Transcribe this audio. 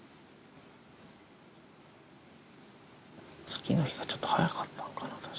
次の日がちょっと早かったのかな、確か。